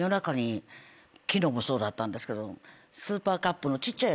昨日もそうだったんですけど。